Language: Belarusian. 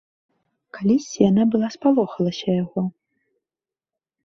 Калісьці яна была спалохалася яго.